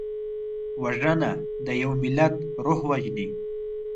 وژنه د یو ملت روح وژني